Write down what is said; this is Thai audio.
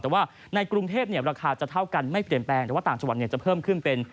แต่ว่าในกรุงเทพราคาจะเท่ากันไม่เปลี่ยนแปลงแต่ว่าต่างจังหวัดจะเพิ่มขึ้นเป็น